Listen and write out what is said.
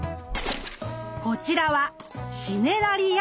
こちらはシネラリア。